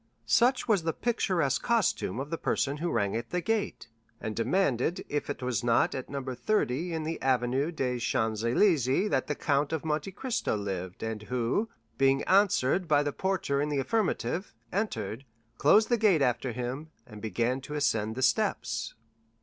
Such was the picturesque costume of the person who rang at the gate, and demanded if it was not at No. 30 in the Avenue des Champs Élysées that the Count of Monte Cristo lived, and who, being answered by the porter in the affirmative, entered, closed the gate after him, and began to ascend the steps.